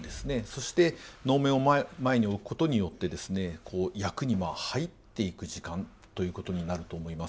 そして能面を前に置くことによってですね役に入っていく時間ということになると思います。